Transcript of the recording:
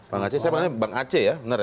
bang aceh saya maksudnya bang aceh ya benar ya